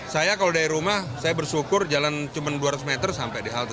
saya kalau dari rumah saya bersyukur jalan cuma dua ratus meter sampai di halte